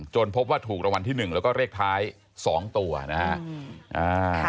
พบว่าถูกรางวัลที่หนึ่งแล้วก็เลขท้าย๒ตัวนะฮะ